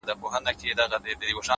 شپه چي تياره سي -رڼا خوره سي-